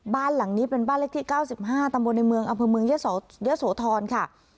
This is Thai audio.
บ้านหลังนี้เป็นบ้านเลขที่เก้าสิบห้าตำวนในเมืองอเมืองเยอะโสธรค่ะ